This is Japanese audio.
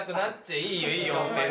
いいよ、いいよ。